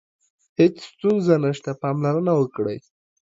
هیڅ ستونزه نشته، پاملرنه وکړئ.